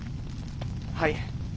はい。